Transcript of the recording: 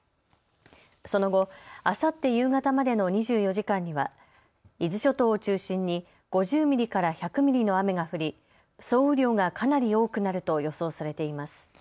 その後、あさって夕方までの２４時間には伊豆諸島を中心に５０ミリから１００ミリの雨が降り総雨量がかなり多くなると予想されています。